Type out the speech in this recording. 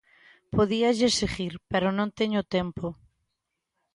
Podíalles seguir, pero non teño tempo.